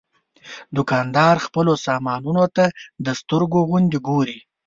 دوکاندار خپلو سامانونو ته د سترګو غوندې ګوري.